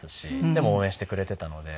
でも応援してくれてたので。